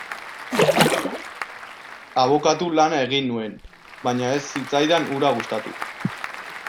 Abokatu lana egin nuen, baina ez zitzaidan hura gustatu.